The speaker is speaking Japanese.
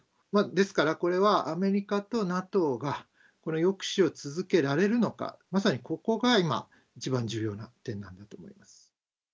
ですから、これはアメリカとＮＡＴＯが、この抑止を続けられるのか、まさにここが今、一番重要な点なんだと思います。